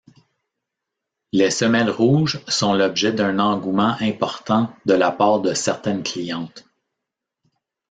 Les semelles rouges sont l'objet d'un engouement important de la part de certaines clientes.